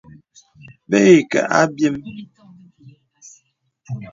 Bə̀ î kə̀ a abyēm.